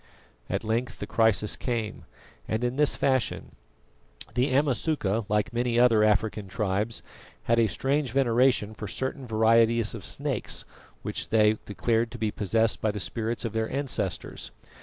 At length the crisis came, and in this fashion. The Amasuka, like many other African tribes, had a strange veneration for certain varieties of snakes which they declared to be possessed by the spirits of their ancestors.